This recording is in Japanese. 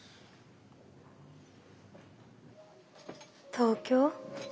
東京？